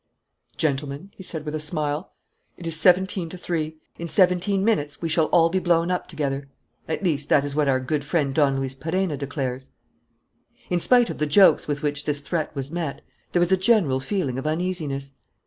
"Gentlemen," he said, with a smile, "it is seventeen to three. In seventeen minutes we shall all be blown up together. At least, that is what our good friend Don Luis Perenna declares." In spite of the jokes with which this threat was met, there was a general feeling of uneasiness.